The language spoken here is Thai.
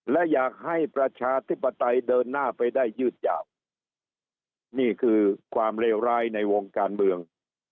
และอยากให้ประชาธิปไตยเดินหน้าไปได้ยืดยาวนี่คือความเลวร้ายในวงการเมือง